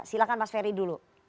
silahkan mas ferry dulu